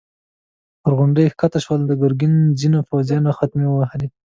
پر غونډۍ کښته شول، د ګرګين ځينو پوځيانو خيمې وهلې.